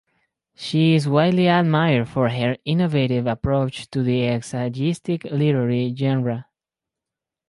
She is widely admired for her innovative approach to the essayistic literary genre.